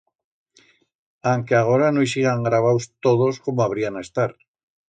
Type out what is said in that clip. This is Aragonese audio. Anque agora no i sigan gravaus todos como habrían a estar.